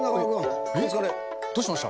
どうしました？